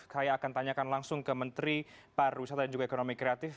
saya akan tanyakan langsung ke menteri pariwisata dan juga ekonomi kreatif